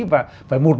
và phải một mình